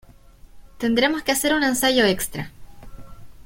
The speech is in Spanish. Tendremos que hacer un ensayo extra.